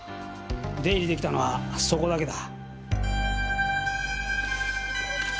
出入り出来たのはそこだけだ。